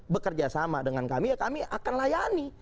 bekerja sama dengan kami ya kami akan layani